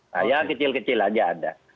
nah yang kecil kecil aja ada